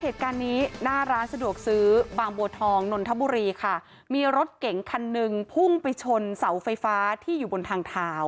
เหตุการณ์นี้หน้าร้านสะดวกซื้อบางบัวทองนนทบุรีค่ะมีรถเก๋งคันหนึ่งพุ่งไปชนเสาไฟฟ้าที่อยู่บนทางเท้า